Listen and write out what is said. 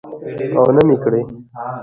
او نه مې کړى.